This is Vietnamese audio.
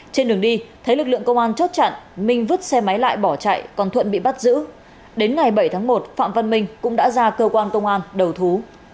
trên đường đi thấy lực lượng công an chốt chặn minh vứt xe máy lại bỏ chạy còn thuận bị bắt giữ đến ngày bảy tháng một phạm văn minh cũng đã ra cơ quan công an đầu thú